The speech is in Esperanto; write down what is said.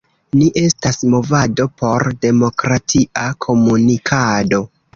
Ni estas movado por demokratia komunikado.